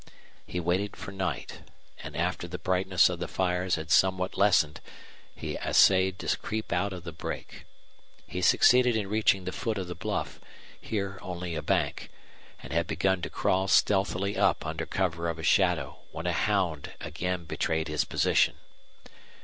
He waited for night, and after the brightness of the fires had somewhat lessened he assayed to creep out of the brake. He succeeded in reaching the foot of the bluff, here only a bank, and had begun to crawl stealthily up under cover of a shadow when a hound again betrayed his position.